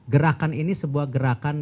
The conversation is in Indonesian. gerakan ini sebuah gerakan